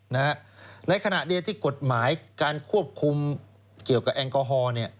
ในขณะเดียวที่กฎหมายการควบคุมเกี่ยวกับแอลกอฮอล์เนี่ย